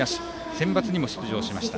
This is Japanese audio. センバツにも出場しました。